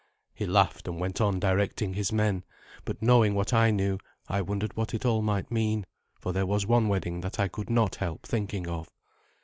He laughed and went on directing his men; but knowing what I knew, I wondered what it all might mean, for there was one wedding that I could not help thinking of.